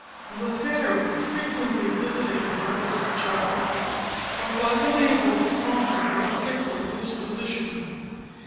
The fairy frequently visited her little charge, but was unable to conquer her fickle disposition.